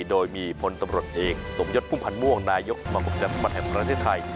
โดยมีผลตำรวจเองสมยดภูมิพันธ์ม่วงนายยกสมาภัณฑ์ฟุตบอลแห่งประเทศไทย